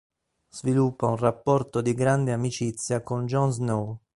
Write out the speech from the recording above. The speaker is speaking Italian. Sviluppa un rapporto di grande amicizia con Jon Snow.